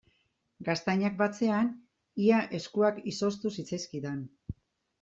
Gaztainak batzean ia eskuak izoztu zitzaizkidan.